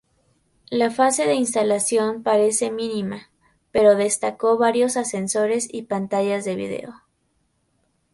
La fase de instalación parece mínima, pero destacó varios ascensores y pantallas de vídeo.